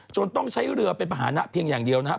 ต้องใช้เรือเป็นภาษณะเพียงอย่างเดียวนะครับ